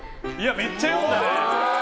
めっちゃ読んだね！